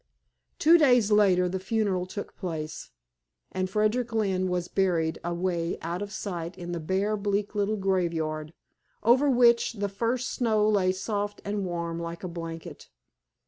Two days later the funeral took place, and Frederick Lynne was buried away out of sight in the bare, bleak little grave yard, over which the first snow lay soft and warm like a blanket.